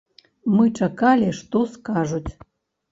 Мы чакалі, што скажуць.